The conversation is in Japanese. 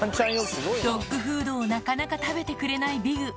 ドッグフードをなかなか食べてくれないビグ